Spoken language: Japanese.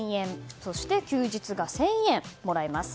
そして、休日が１０００円もらえます。